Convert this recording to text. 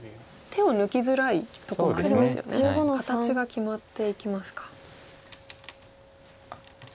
形が決まっていきますか。